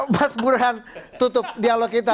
mas burhan tutup dialog kita